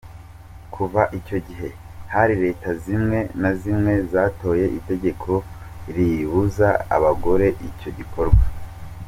Kuva icyo gihe hari Leta zimwe na zimwe zatoye itegeko ribuza abagore icyo gikorwa.